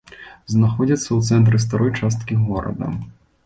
Знаходзіцца ў цэнтры старой часткі горада.